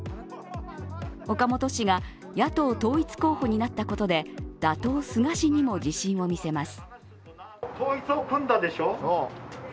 岡本氏が野党統一候補になったことで打倒菅氏にも自信を見せます。